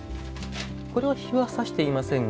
これは、日はさしていませんが。